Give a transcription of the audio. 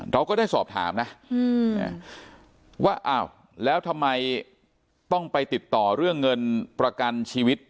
เราก็ได้สอบถามนะว่าอ้าวแล้วทำไมต้องไปติดต่อเรื่องเงินประกันชีวิต